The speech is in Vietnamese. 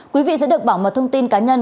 quý vị sẽ được bảo mật thông tin cá nhân